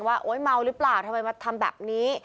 โอ๊ยเมาหรือเปล่าทำไมมาทำแบบนี้